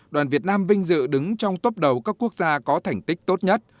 đoàn việt nam vinh dự đứng trong tốp đầu các quốc gia có thành tích tốt nhất